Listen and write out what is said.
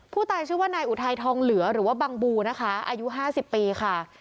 ผู้ตายชื่อว่านายอุทัยทองเหลือหรือว่าบังบูนะคะอายุ๕๐ปีค่ะ